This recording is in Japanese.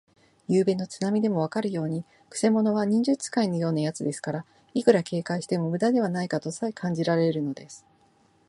ゆうべの手なみでもわかるように、くせ者は忍術使いのようなやつですから、いくら警戒してもむだではないかとさえ感じられるのです。